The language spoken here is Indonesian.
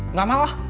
nggak mau ah